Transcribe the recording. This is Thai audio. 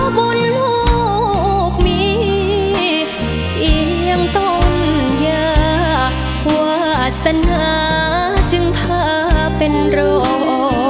บุญลูกมีเอียงต้องยาวาสนาจึงพาเป็นโร